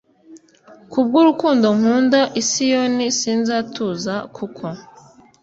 Ku bw urukundo nkunda i Siyoni sinzatuza kuko